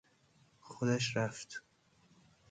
خودش رفت.